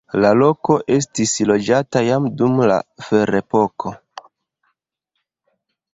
La loko estis loĝata jam dum la ferepoko.